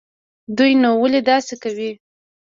دوى نو ولې داسې کوي.